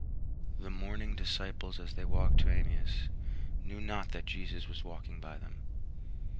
The mourning disciples as they walked to Emmaus knew not that Jesus was walking by them.